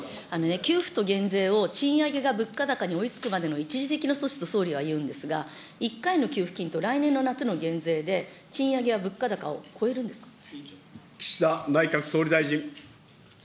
給付と減税を賃上げが物価高に追いつくまでの一時的な措置と総理は言うんですが、１回の給付金と来年の夏の減税で、岸田内閣総理大臣。